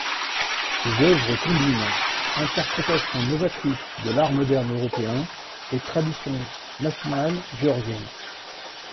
Ses œuvres combinent interprétation novatrice de l'art moderne européen et tradition nationale géorgienne.